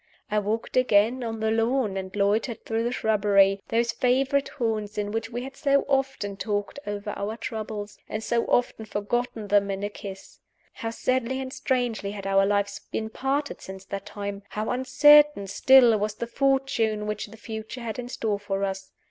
I walked again on the lawn and loitered through the shrubbery those favorite haunts in which we had so often talked over our troubles, and so often forgotten them in a kiss. How sadly and strangely had our lives been parted since that time! How uncertain still was the fortune which the future had in store for us!